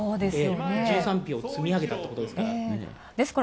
１３票、積み上げたってことですから。